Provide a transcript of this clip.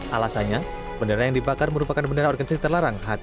alasannya bendera yang dibakar merupakan bendera organisasi terlarang ht